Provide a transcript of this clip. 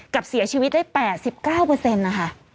กับเสียชีวิตได้๘๙นะคะ